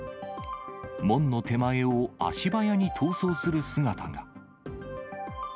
門の手前を足早に逃走する姿が。